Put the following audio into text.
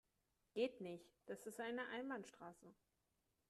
Geht nicht, das ist eine Einbahnstraße.